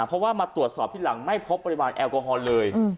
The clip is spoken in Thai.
เพราะว่ามาตรวจสอบที่หลังไม่พบปริมาณแอลกอฮอล์เลย